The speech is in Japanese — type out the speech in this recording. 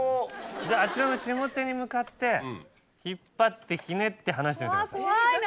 じゃああちらの下手に向かって引っ張ってひねって離してみてください。